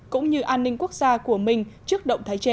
cũng như an ninh quốc gia của mình trước động thái trên